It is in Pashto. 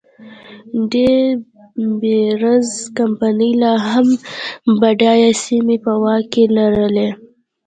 ډي بیرز کمپنۍ لا هم بډایه سیمې په واک کې لرلې.